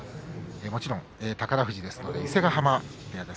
もちろん宝富士ですから伊勢ヶ濱部屋です。